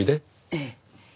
ええ。